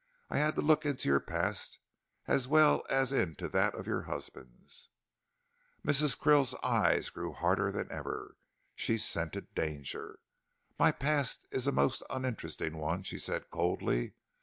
"I had to look into your past as well as into that of your husband's." Mrs. Krill's eyes grew harder than ever. She scented danger. "My past is a most uninteresting one," she said, coldly.